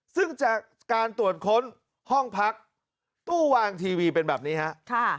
ซึ่งจากการตรวจค้นห้องพักตู้วางทีวีเป็นแบบนี้ครับ